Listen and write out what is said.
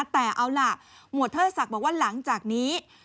แต่เอาล่ะหมวดเทิดศักดิ์บอกว่าหลังจากนี้